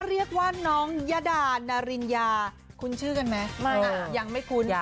เรียกว่าน้องยะดานาริญญาคุ้นชื่อกันไหมไม่ยังไม่คุ้น